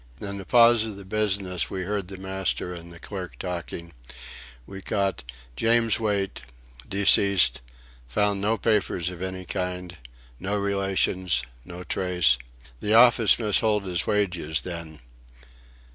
In a pause of the business we heard the master and the clerk talking. We caught: "James Wait deceased found no papers of any kind no relations no trace the Office must hold his wages then."